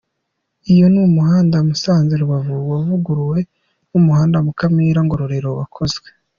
Iyo ni umuhanda Musanze-Rubavu wavuguruwe n’umuhanda Mukamira-Ngororero wakozwe.